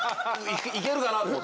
行けるかなと思って。